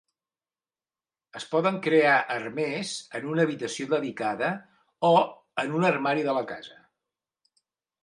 Es poden crear armers en una habitació dedicada o en un armari de la casa.